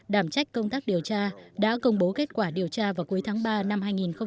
đảm trách công tác điều tra đã công bố kết quả điều tra vào cuối tháng ba năm hai nghìn hai mươi